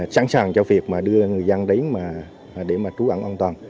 sẵn sàng cho việc đưa người dân đấy để trú ẩn an toàn